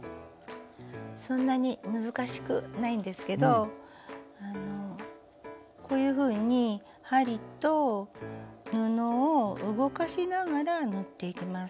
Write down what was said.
そんなに難しくないんですけどこういうふうに針と布を動かしながら縫っていきます。